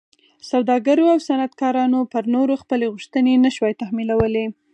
سوداګرو او صنعتکارانو پر نورو خپلې غوښتنې نه شوای تحمیلولی.